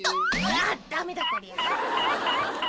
ああダメだこりゃ。